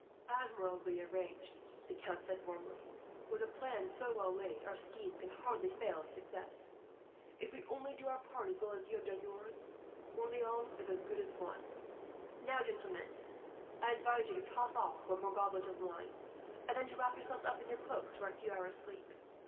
"Admirably arranged," the Count said warmly. "With a plan so well laid, our scheme can hardly fail of success. If we only do our part as well as you have done yours, Orleans is as good as won. "Now, gentlemen, I advise you to toss off one more goblet of wine, and then to wrap yourselves up in your cloaks for a few hours' sleep.